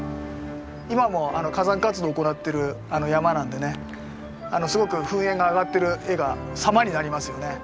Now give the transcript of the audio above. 今も火山活動行ってる山なんでねすごく噴煙が上がってる画が様になりますよね。